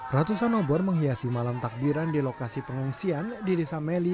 ratusan obor menghiasi malam takbiran di lokasi pengungsian di desa meli